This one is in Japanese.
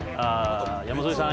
山添さん